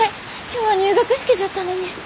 今日は入学式じゃったのに。